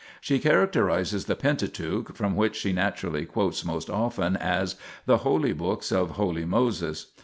She characterizes the Pentateuch, from which she naturally quotes most often, as "the (holy) books of (holy) Moses."